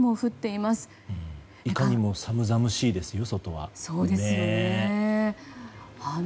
いかにも寒々しいですよ